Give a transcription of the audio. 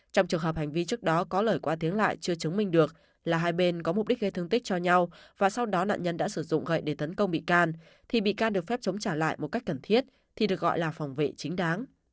trong trường hợp hành vi trước đó có lời qua tiếng lại chưa chứng minh được là hai bên có mục đích gây thương tích cho nhau và sau đó nạn nhân đã sử dụng gậy để tấn công bị can thì bị can được phép chống trả lại một cách cần thiết thì được gọi là phòng vệ chính đáng